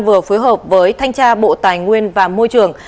vừa phối hợp với thanh tra bộ tài nguyên và môi trường